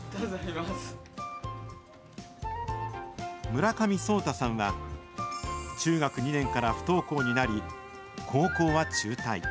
村上颯太さんは、中学２年から不登校になり、高校は中退。